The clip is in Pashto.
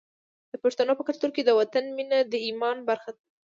د پښتنو په کلتور کې د وطن مینه د ایمان برخه ده.